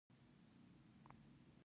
د اجباري پورونو سیستم یې رامنځته کړ.